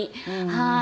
はい。